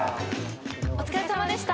・お疲れさまでした。